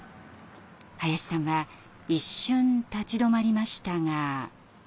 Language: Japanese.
林さんは一瞬立ち止まりましたが。